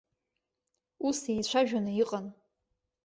Ус еицәажәаны иҟан.